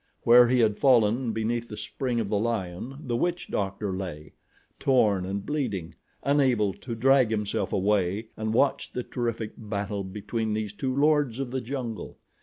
Where he had fallen beneath the spring of the lion the witch doctor lay, torn and bleeding, unable to drag himself away and watched the terrific battle between these two lords of the jungle.